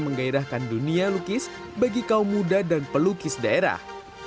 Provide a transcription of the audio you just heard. menggairahkan dunia lukis bagi kaum muda dan pelukis daerah